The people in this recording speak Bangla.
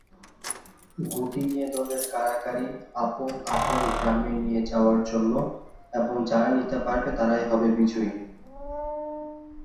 গুটি নিয়ে দলের কাড়াকাড়ি, আপন আপন গ্রামে নিয়ে যাওয়ার জন্য এবং যারা নিতে পারবে তারাই হবে বিজয়ী।